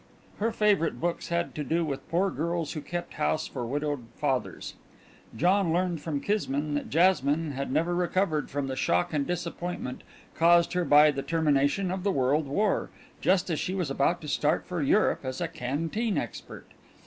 Her favourite books had to do with poor girls who kept house for widowed fathers. John learned from Kismine that Jasmine had never recovered from the shock and disappointment caused her by the termination of the World War, just as she was about to start for Europe as a canteen expert.